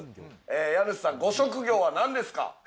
家主さん、ご職業はなんですか？